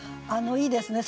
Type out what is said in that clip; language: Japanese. いいですね。